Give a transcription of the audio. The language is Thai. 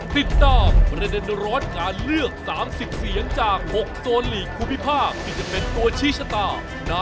เลือกไปก่อนก็เลือกวันที่๑๑ไม่ได้ก็จบนะ